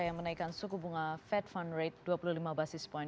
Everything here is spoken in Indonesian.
yang menaikkan suku bunga fed fund rate dua puluh lima basis point